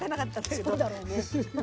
そうだろうね。